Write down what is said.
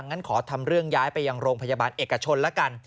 งั้นขอทำเรื่องย้ายไปยังโรงพยาบาลเอกชนละกัน